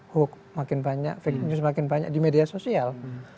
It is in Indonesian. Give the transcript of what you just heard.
hook makin banyak fake news makin banyak di media sosial